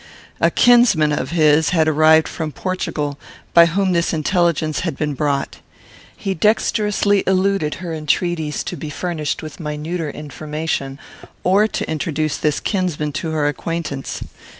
A kinsman of his had arrived from Portugal, by whom this intelligence had been brought. He dexterously eluded her entreaties to be furnished with minuter information, or to introduce this kinsman to her acquaintance.